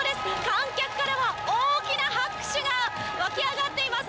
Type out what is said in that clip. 観客からも大きな拍手が湧き上がっています。